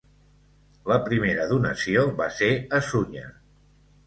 La primera donació va ser a Sunyer.